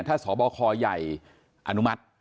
ถ้าสบคใหญ่อนุมัติ